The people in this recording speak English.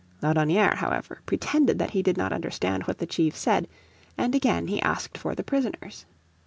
Laudonnière, however, pretended that he did not understand what the chief said, and again he asked for the prisoners.